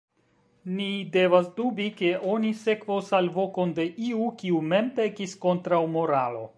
Ni devas dubi, ke oni sekvos alvokon de iu, kiu mem pekis kontraŭ moralo.